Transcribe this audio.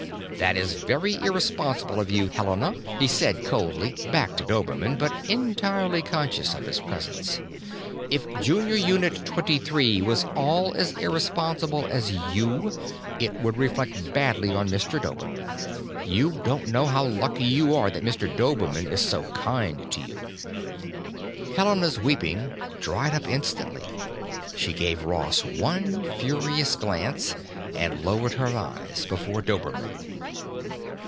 "That is very irresponsible of you, Helena," he said coldly, back to Dobermann but entirely conscious of his presence. "If Junior Unit Twenty Three was all as irresponsible as you, it would reflect badly on Mr. Dobermann. You don't know how lucky you are that Mr. Dobermann is so kind to you." Helena's weeping dried up instantly; she gave Ross one furious glance, and lowered her eyes before Dobermann.